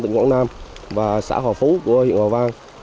tỉnh quảng nam và xã hòa phú của huyện hòa vang